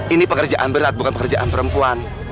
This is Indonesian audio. ini pekerjaan berat bukan pekerjaan perempuan